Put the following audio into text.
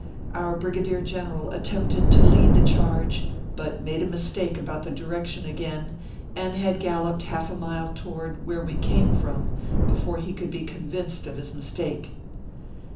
Our brigadier general attempted to lead the charge, but made a mistake about the direction again, and had galloped half a mile toward where we came from before he could be convinced of his mistake.